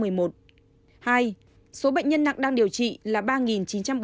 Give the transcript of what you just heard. trong đó số bệnh nhân nặng đang điều trị là ba chín trăm bốn mươi bảy ca